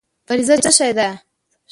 فرضیه څه شی دی؟